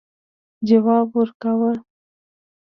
جواب ورکاوه.